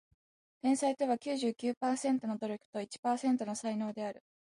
天才とは九十九パーセントの努力と一パーセントの才能である